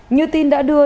như tin đã đưa